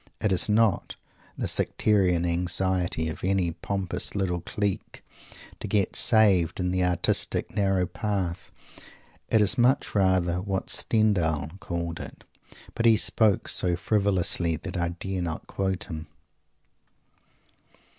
It is not the sectarian anxiety of any pompous little clique to get "saved" in the artistic "narrow path." It is much rather what Stendhal called it. But he spoke so frivolously that I dare not quote him.